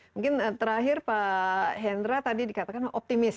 mungkin terakhir pak hendra tadi dikatakan optimis